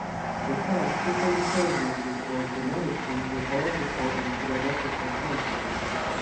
The text superimposes with originality mythological and philosophical concepts.